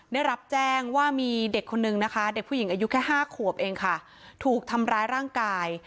ได้รับแจ้งว่ามีเด็กคนนึงนะคะเด็กผู้หญิงอายุแค่๕ขวบเองค่ะถูกทำร้ายร่างกาย